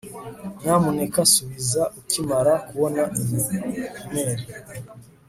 nyamuneka subiza ukimara kubona iyi imeri